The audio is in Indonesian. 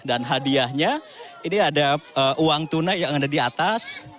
dan hadiahnya ini ada uang tunai yang ada di atas